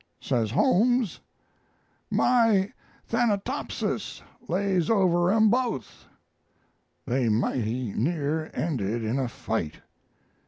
Says Holmes, 'My "Thanatopsis" lays over 'em both.' They mighty near ended in a fight.